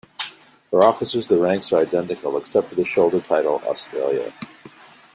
For officers the ranks are identical except for the shoulder title "Australia".